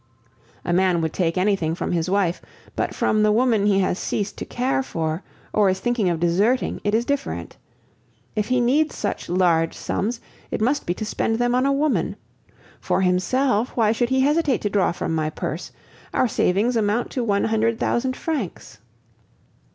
A man would take anything from his wife, but from the woman he has ceased to care for, or is thinking of deserting, it is different. If he needs such large sums, it must be to spend them on a woman. For himself, why should he hesitate to draw from my purse? Our savings amount to one hundred thousand francs!